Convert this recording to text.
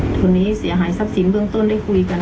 คนนี้เสียหายทรัพย์สินเบื้องต้นได้คุยกัน